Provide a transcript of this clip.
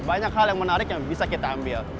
banyak hal yang menarik yang bisa kita ambil